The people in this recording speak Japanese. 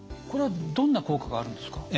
これはどんな効果があるんですか？